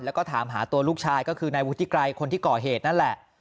แล้วก็ถามหาตัวลูกชายก็คือนายวุฒิไกรคนที่ก่อเหตุนั่นแหละ